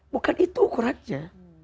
bukan itu ukurannya